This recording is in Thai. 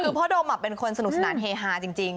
คือพ่อโดมเป็นคนสนุกสนานเฮฮาจริง